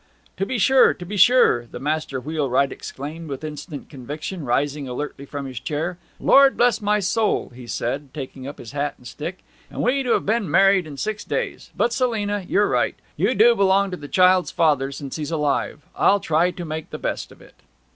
'To be sure; to be sure,' the master wheelwright exclaimed with instant conviction, rising alertly from his chair. 'Lord bless my soul,' he said, taking up his hat and stick, 'and we to have been married in six days! But Selina you're right. You do belong to the child's father since he's alive. I'll try to make the best of it.'